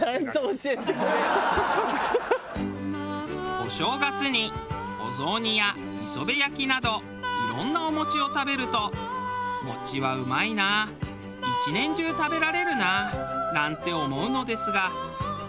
お正月にお雑煮や磯部焼きなどいろんなお餅を食べると「餅はうまいなあ１年中食べられるなあ」なんて思うのですが１月を過ぎると